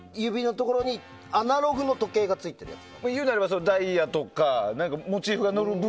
そこにアナログの時計がついてるやつ。